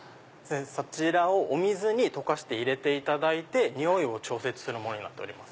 そちらをお水に溶かして入れていただいて匂いを調節するものになってます。